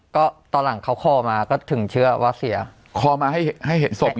ก็ตอนหลังเขาคอมาก็ถึงเชื่อว่าเสียคอมาให้ให้เห็นศพ